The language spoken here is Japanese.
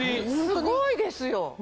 すごいですよ！